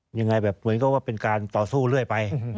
ยังไงแบบเหมือนกับว่าเป็นการต่อสู้เรื่อยไป